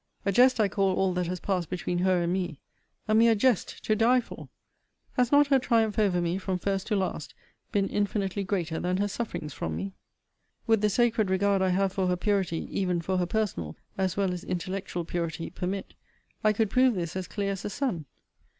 A jest I call all that has passed between her and me; a mere jest to die for For has not her triumph over me, from first to last, been infinitely greater than her sufferings from me? Would the sacred regard I have for her purity, even for her personal as well as intellectual purity, permit, I could prove this as clear as the sun.